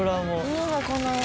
いいなこの絵。